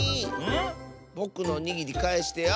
ぼくのおにぎりかえしてよ！